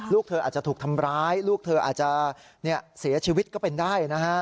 ลูกเธออาจจะถูกทำร้ายลูกเธออาจจะเสียชีวิตก็เป็นได้นะฮะ